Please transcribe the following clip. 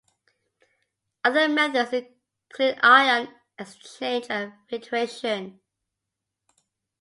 Other methods include ion-exchange and filtration.